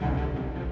masa yang baik